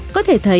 có thể thấy